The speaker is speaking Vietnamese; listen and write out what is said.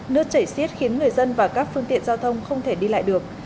nước chảy xiết khiến người dân và các phương tiện giao thông không thể đi lại được